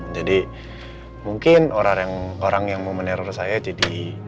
jadi mungkin orang yang mau meneror saya jadi